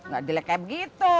ga jelek kayak begitu